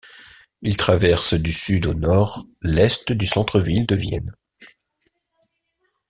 Il traverse du sud au nord l'est du Centre-ville de Vienne.